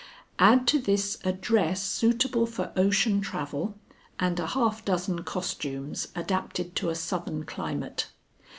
Add to this a dress suitable for ocean travel and a half dozen costumes adapted to a southern climate.